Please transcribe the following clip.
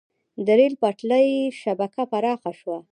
د ریل پټلۍ شبکه پراخه شوه.